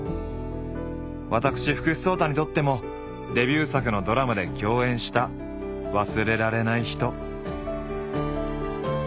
私福士蒼汰にとってもデビュー作のドラマで共演した忘れられない人。